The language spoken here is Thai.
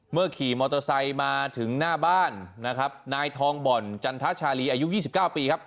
ขี่มอเตอร์ไซค์มาถึงหน้าบ้านนะครับนายทองบ่อนจันทชาลีอายุ๒๙ปีครับ